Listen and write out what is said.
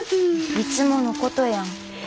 いつものことやん。